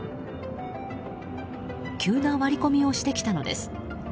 急な割り込みをしてきたのです。